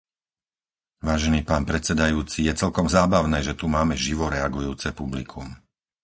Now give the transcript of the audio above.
Vážený pán predsedajúci, je celkom zábavné, že tu máme živo reagujúce publikum.